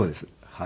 はい。